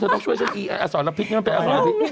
ต้องช่วยฉันอีอสรพิษนี่มันเป็นอสรพิษ